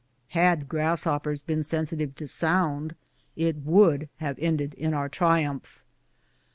Had grasshoppers been sensitive to sound, it would have ended in our triumph.